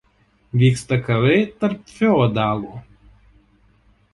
Vyksta karai tarp feodalų.